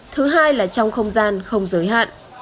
thứ hai là trong không gian không giới hạn